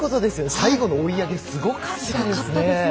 最後の追い上げすごかったです。